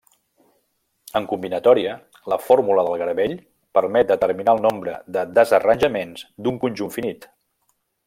En combinatòria, la fórmula del garbell permet determinar el nombre de desarranjaments d'un conjunt finit.